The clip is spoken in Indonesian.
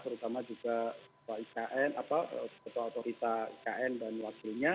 terutama juga ketua autoritas ikn dan wakilnya